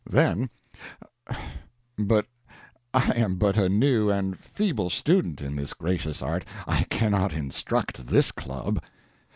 Then but I am but a new and feeble student in this gracious art; I can not instruct this Club.